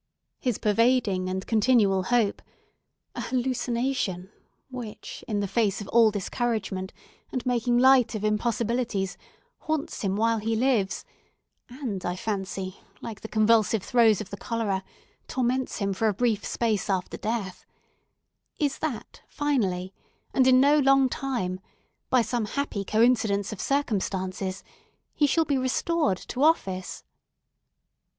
His pervading and continual hope—a hallucination, which, in the face of all discouragement, and making light of impossibilities, haunts him while he lives, and, I fancy, like the convulsive throes of the cholera, torments him for a brief space after death—is, that finally, and in no long time, by some happy coincidence of circumstances, he shall be restored to office.